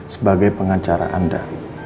sebagai pengacara anda